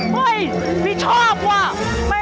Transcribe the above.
เฮ้ยพี่ชอบว่ะ